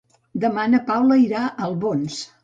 Demà na Paula irà a Albons.